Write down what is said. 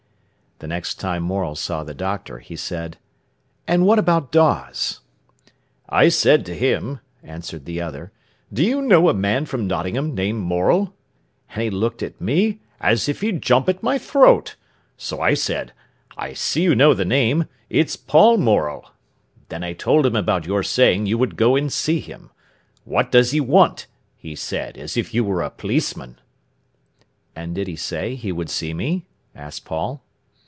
The next time Morel saw the doctor he said: "And what about Dawes?" "I said to him," answered the other, "'Do you know a man from Nottingham named Morel?' and he looked at me as if he'd jump at my throat. So I said: 'I see you know the name; it's Paul Morel.' Then I told him about your saying you would go and see him. 'What does he want?' he said, as if you were a policeman." "And did he say he would see me?" asked Paul.